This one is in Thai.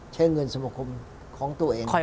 ใช้เงินสมคมของตัวเอง